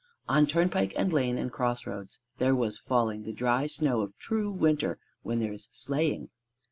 On turnpike and lane and crossroads there was falling the dry snow of true winter when there is sleighing.